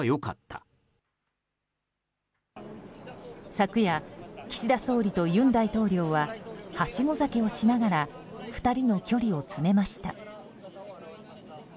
昨夜、岸田総理と尹大統領ははしご酒をしながら２人の距離を詰めました。